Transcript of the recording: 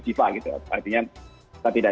fifa gitu artinya kita tidak